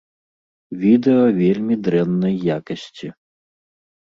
Відэа вельмі дрэннай якасці.